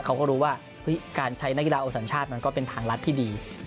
เขาก็รู้ว่าการใช้นักกีฬาโอสัญชาติมันก็เป็นทางรัฐที่ดี